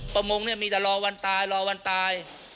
ประมงเนี่ยมีแต่รอวันตายรอวันตาย